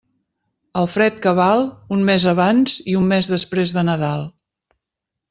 El fred cabal, un mes abans i un mes després de Nadal.